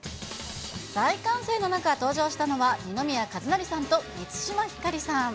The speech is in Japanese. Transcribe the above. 大歓声の中登場したのは、二宮和也さんと満島ひかりさん。